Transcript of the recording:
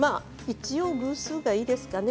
一応偶数がいいですかね。